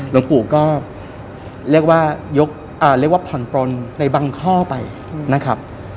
หลวงปู่ก็เรียกว่ายกเรียกว่าผ่อนปลนในบางข้อไปนะครับ